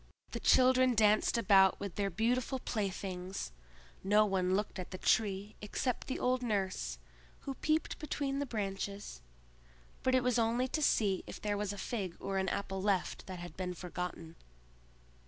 The children danced about with their beautiful playthings; no one looked at the Tree except the old nurse, who peeped between the branches; but it was only to see if there was a fig or an apple left that had been forgotten.